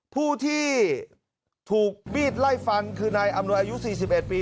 ผู้ที่ถูกมีดไล่ฟันคือนายอำนวยอายุ๔๑ปี